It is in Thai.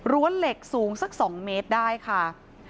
เหล็กสูงสัก๒เมตรได้ค่ะ